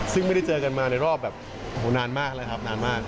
ซึ่งไม่ได้เจอกันมาในรอบแบบนานมากเลยครับนานมาก